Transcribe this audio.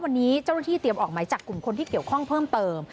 วันนี้เจ้าหน้าที่เตรียมออกหมายจับกลุ่มคนที่เกี่ยวข้องเพิ่มเติม